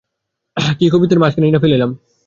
কী কবিত্বের মাঝখানেই পা ফেলিলাম।